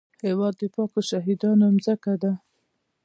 هېواد د پاکو شهیدانو ځمکه ده